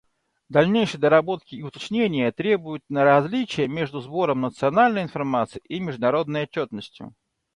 Дальнейшей доработки и уточнения требует различие между сбором национальной информации и международной отчетностью.